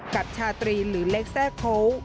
กับชาตรีหรือเล็กแทรกโค้